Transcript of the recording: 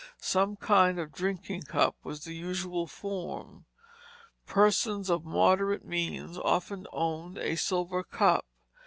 Some kind of a drinking cup was the usual form. Persons of moderate means often owned a silver cup.